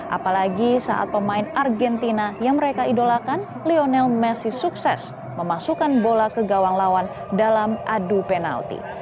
apalagi saat pemain argentina yang mereka idolakan lionel messi sukses memasukkan bola ke gawang lawan dalam adu penalti